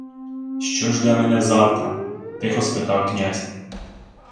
— Що жде мене взавтра? — тихо спитав князь.